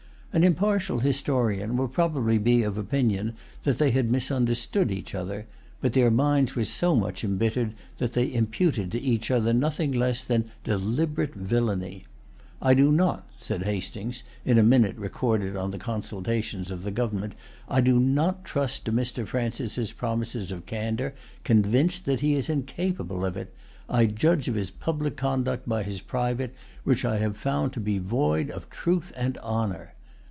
An impartial historian will probably be of opinion that they had misunderstood each other; but their minds were so much embittered that they imputed to each other nothing less than deliberate villainy. "I do not," said Hastings, in a minute recorded on the Consultations of the Government, "I do not trust to Mr. Francis's promises of candor, convinced that he is incapable of it. I judge of his public conduct by his private, which I have found to be void of truth and honor."